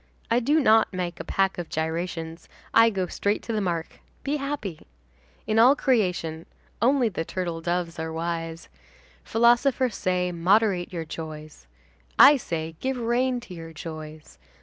I do not make a pack of gyrations, I go straight to the mark, be happy. In all creation, only the turtledoves are wise. Philosophers say: 'Moderate your joys.' I say: 'Give rein to your joys.